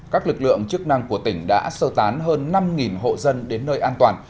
các lực lượng chức năng của tỉnh đã sơ tán hơn năm hộ dân đến nơi an toàn